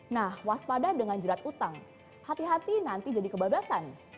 nah waspada dengan jerat utang hati hati nanti jadi kebablasan